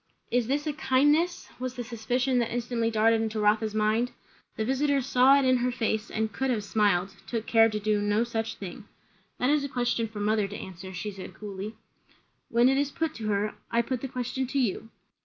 Is this a "kindness"? was the suspicion that instantly darted into Rotha's mind. The visiter saw it in her face, and could have smiled; took care to do no such thing. "That is a question for mother to answer," she said coolly. "When it is put to her. I put the question to you."